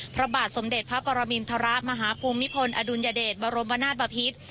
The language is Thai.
พระบาทสมเด็จพระปรมินทรมาฮภูมิพลอดุลยเดชบรมนาศบพิษ